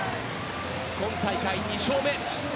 今大会２勝目。